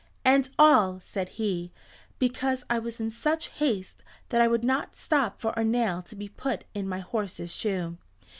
"And all," said he, "because I was in such haste that I would not stop for a nail to be put in my horse's shoe.